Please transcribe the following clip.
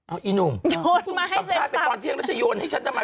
อ้าวอีหนุ่มจบได้ไปตอนเที่ยงแล้วจะโยนให้ฉันทำไม